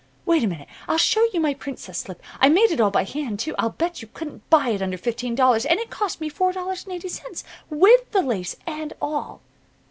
Wait a minute. I'll show you my princess slip. I made it all by hand, too. I'll bet you couldn't buy it under fifteen dollars, and it cost me four dollars and eighty cents, with the lace and all."